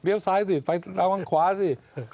เลี้ยวซ้ายสิเอาขวาสิ